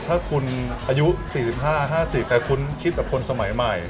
ถ้าคุณอายุ๔๕๕๐แต่คุณคิดแบบคนสมัยใหม่